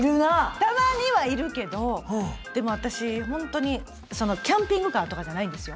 たまには要るけどでも私ほんとにキャンピングカーとかじゃないんですよ。